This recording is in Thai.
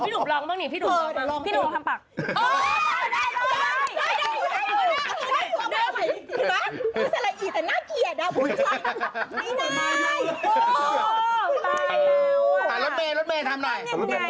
สมมุติเราเป็นแกเป็นแกตัวร้ายนะฮะ